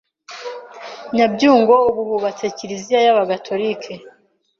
Nyabyungo ubu hubatse kiriziya y’Abagatolika.